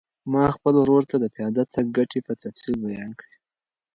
ما خپل ورور ته د پیاده تګ ګټې په تفصیل بیان کړې.